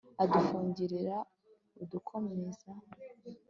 adufungurir'adukomeze